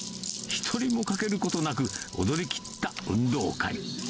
１人も欠けることなく、踊りきった運動会。